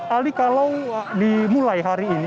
aldi kalau dimulai hari ini